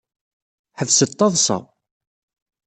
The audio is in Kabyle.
Ḥebset taḍṣa.